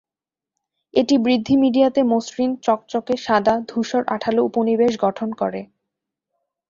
এটি বৃদ্ধি মিডিয়াতে মসৃণ, চকচকে, সাদা-ধূসর, আঠালো উপনিবেশ গঠন করে।